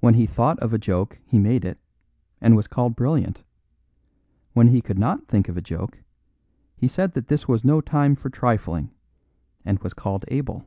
When he thought of a joke he made it, and was called brilliant. When he could not think of a joke he said that this was no time for trifling, and was called able.